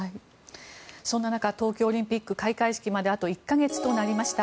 そんな中東京オリンピック開会式まであと１か月となりました。